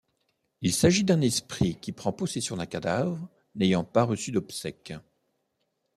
Il s'agit d'un esprit qui prend possession d'un cadavre n'ayant pas reçu d'obsèques.